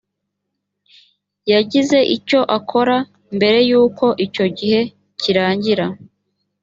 yagize icyakora mbere y’uko icyo gihe kirangira